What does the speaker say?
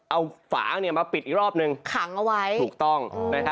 เอาฝามาปิดอีกรอบหนึ่งถูกต้อง